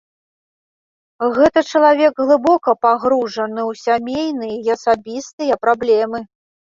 Гэта чалавек глыбока пагружаны ў сямейныя і асабістыя праблемы.